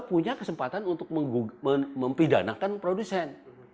punya kesempatan untuk mempidanakan produsen